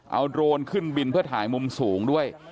เอาโดรนขึ้นบินเพื่อถ่ายมุมสูงด้วย